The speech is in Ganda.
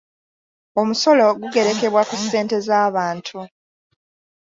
Omusolo gugerekebwa ku ssente z'abantu.